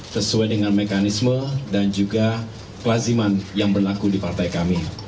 sesuai dengan mekanisme dan juga kelaziman yang berlaku di partai kami